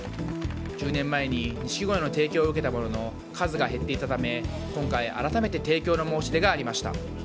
１０年前に錦鯉の提供を受けたものの数が減っていたため今回、改めて提供の申し出がありました。